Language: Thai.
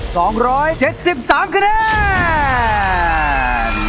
สองร้อยเจ็ดสิบสามคะแนน